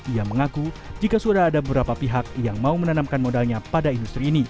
ia mengaku jika sudah ada beberapa pihak yang mau menanamkan modalnya pada industri ini